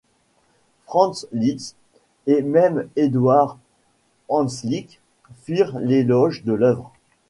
Franz Liszt et même Eduard Hanslick firent l'éloge de l'œuvre.